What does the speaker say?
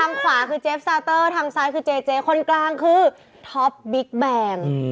ขวาคือเจฟซาเตอร์ทางซ้ายคือเจเจคนกลางคือท็อปบิ๊กแบม